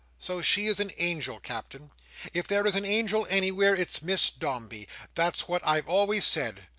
So she is an angel, Captain. If there is an angel anywhere, it's Miss Dombey. That's what I've always said.